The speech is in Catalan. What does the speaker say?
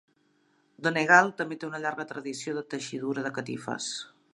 Donegal també té una llarga tradició de teixidura de catifes.